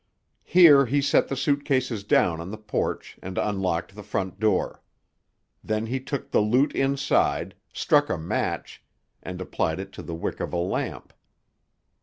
Here he set the suit cases down on the porch and unlocked the front door. Then he took the loot inside, struck a match, and applied it to the wick of a lamp.